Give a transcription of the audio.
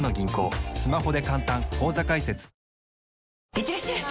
いってらっしゃい！